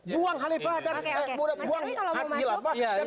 tolak hti dari kubu saya